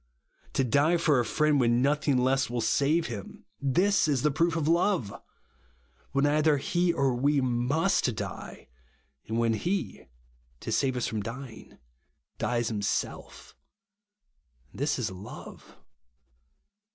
To die for a friend when nothing less will save him ; this is the proof of love ! When either he or we must die ; and when he, to save us from dying, dies himself ; this is love.